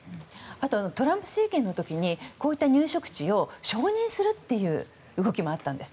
トランプ政権の時にこういった入植地を承認するという動きもあったんです。